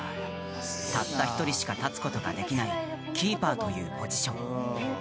たった１人しか立つことができないキーパーというポジション。